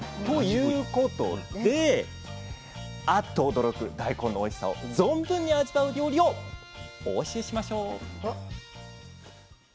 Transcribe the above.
ということであっと驚く大根のおいしさを存分に味わう料理をお教えしましょう。